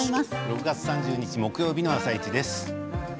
６月３０日木曜日の「あさイチ」です。